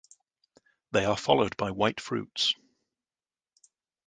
They are followed by white fruits.